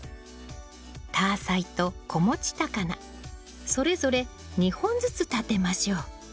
タアサイと子持ちタカナそれぞれ２本ずつ立てましょう。